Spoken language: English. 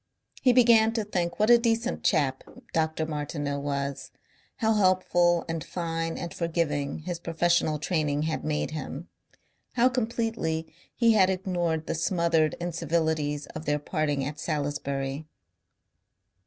He began to think what a decent chap Dr. Martineau was, how helpful and fine and forgiving his professional training had made him, how completely he had ignored the smothered incivilities of their parting at Salisbury.